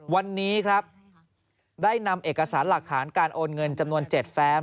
วันนี้ครับได้นำเอกสารหลักฐานการโอนเงินจำนวน๗แฟม